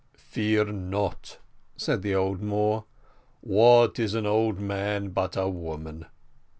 "Fear not," said the old Moor; "what is an old man but a woman?"